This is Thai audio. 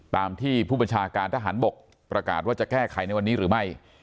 ตามที่ผู้บัญชาการทหารบกประกาศว่าจะแก้ไขในวันนี้หรือไม่